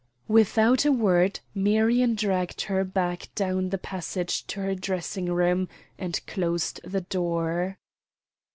Without a word Marion dragged her back down the passage to her dressing room, and closed the door.